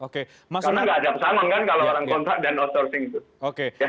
karena nggak ada apa apa sama kan kalau orang kontrak dan outsourcing gitu